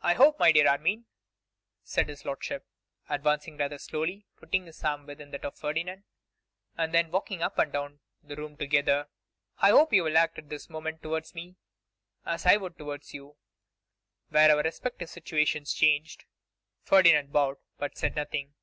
'I hope, my dear Armine,' said his lordship, advancing rather slowly, putting his arm within that of Ferdinand, and then walking up and down the room together, 'I hope you will act at this moment towards me as I would towards you, were our respective situations changed.' Ferdinand bowed, but said nothing.